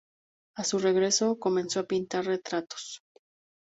A su regreso, comenzó a pintar retratos.